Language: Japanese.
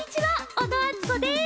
小野あつこです。